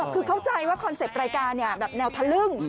คือเข้าใจว่าคอนเซ็ปต์รายการแบบแนวทะลึ่ง